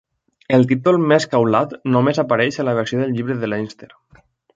El títol "Mesca Ulad" només apareix a la versió del Llibre de Leinster.